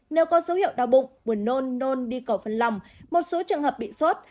nếu có dấu hiệu đau bụng buồn nôn nôn đi cổ phân lòng một số trường hợp bị xốt